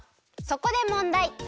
そこでもんだい。